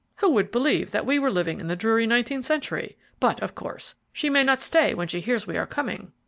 Who would believe that we were living in the dreary nineteenth century? But, of course, she may not stay when she hears we are coming."